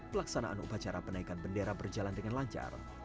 pelaksanaan upacara penaikan bendera berjalan dengan lancar